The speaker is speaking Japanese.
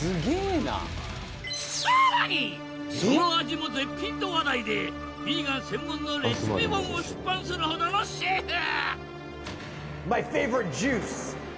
さらにその味も絶品と話題でヴィーガン専門のレシピ本を出版するほどのシェフ！